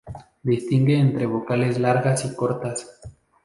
Distingue entre vocales largas y cortas.